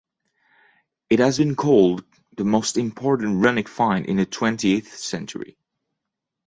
It has been called the most important runic find in the twentieth century.